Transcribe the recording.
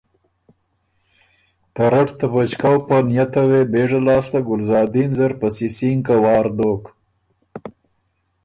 ته رټ ته بچکؤ په نئته وې بېژه لاسته ګلزادین زر په سِسِینکه وار دوک